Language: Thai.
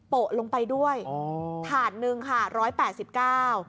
โปะลงไปด้วยอ๋อถาดหนึ่งค่ะร้อยแปดสิบเก้า